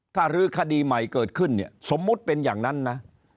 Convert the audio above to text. ถ้ารื้อคดีใหม่เกิดขึ้นเนี่ยสมมุติเป็นอย่างนั้นนะ